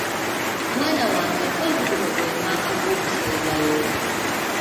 Mwana wange mpozzi guno gwe mwaka gwo ogusembayo?